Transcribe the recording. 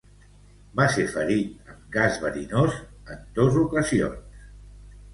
Va ser ferit amb gas verinós en dos ocasions.